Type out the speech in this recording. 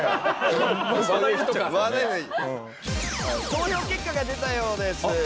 投票結果が出たようです。